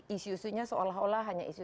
isu isunya seolah olah hanya isu